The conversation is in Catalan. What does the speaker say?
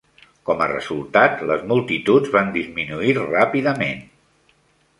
Com a resultat, les multituds van disminuir ràpidament.